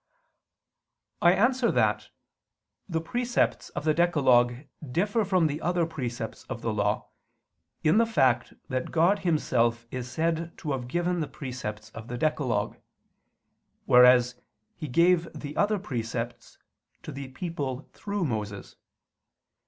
I answer that, The precepts of the decalogue differ from the other precepts of the Law, in the fact that God Himself is said to have given the precepts of the decalogue; whereas He gave the other precepts to the people through Moses.